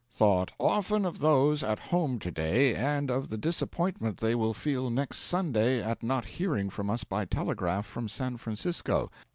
'Thought often of those at home to day, and of the disappointment they will feel next Sunday at not hearing from us by telegraph from San Francisco.'